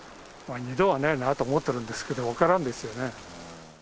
２度はないと思ってるんですけど、分からんですよね。